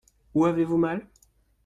Où avez-vous mal ?